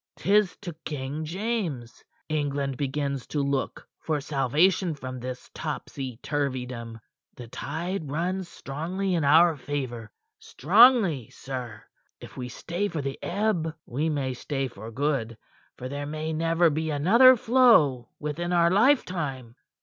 'Tis to King James, England begins to look for salvation from this topsy turveydom. The tide runs strongly in our favor. Strongly, sir! If we stay for the ebb, we may stay for good; for there may never be another flow within our lifetime."